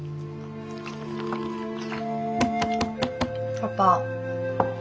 パパ。